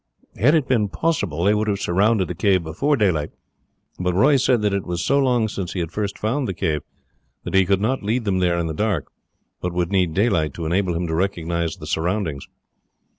Had it been possible they would have surrounded the cave before daylight, but Roy said that it was so long since he had first found the cave, that he could not lead them there in the dark, but would need daylight to enable him to recognize the surroundings.